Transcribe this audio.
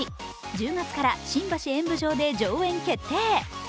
１０月から新橋演舞場で上演決定。